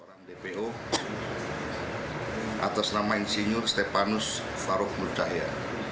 atas nama insinyur stefanus faruk nur cahya